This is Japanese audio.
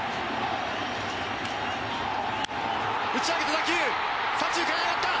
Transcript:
打ち上げた打球左中間へ上がった！